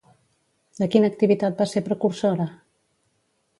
De quina activitat va ser precursora?